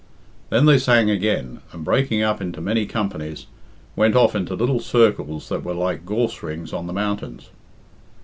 Then they sang again, and, breaking up into many companies, went off into little circles that were like gorse rings on the mountains.